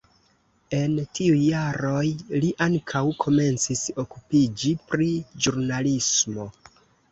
En tiuj jaroj li ankaŭ komencis okupiĝi pri ĵurnalismo.